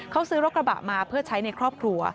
เขาซื้อรถกระบะมาเพื่อใช้ในครอบครัว